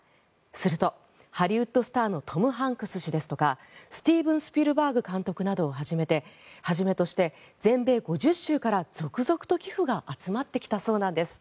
すると、ハリウッドスターのトム・ハンクス氏ですとかスティーブン・スピルバーグ監督などをはじめとして全米５０州から続々と寄付が集まってきたそうなんです。